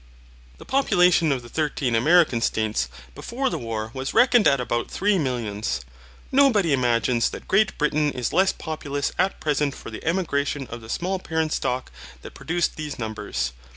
The population of the thirteen American States before the war was reckoned at about three millions. Nobody imagines that Great Britain is less populous at present for the emigration of the small parent stock that produced these numbers.